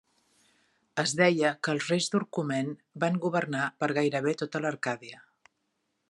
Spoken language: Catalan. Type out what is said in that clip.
Es deia que els reis d'Orcomen van governar per gairebé tota l'Arcàdia.